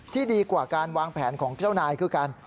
ที่ดีกว่าการวางแผนของเจ้านายคือการ